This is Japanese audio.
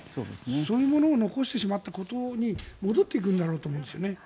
そういうものを残してしまったことに戻っていくんだと思うんですね。